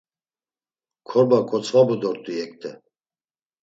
Korba ǩotzvabu dort̆u yekte.